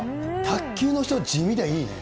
卓球の人、地味でいいね。